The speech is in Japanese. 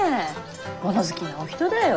物好きなお人だよ。